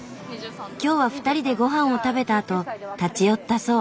今日は２人で御飯を食べたあと立ち寄ったそう。